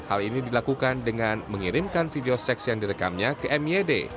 hal ini dilakukan dengan mengirimkan video seks yang direkamnya ke myd